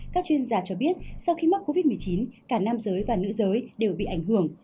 các chuyên gia cho biết sau khi mắc covid một mươi chín cả nam giới và nữ giới đều bị ảnh hưởng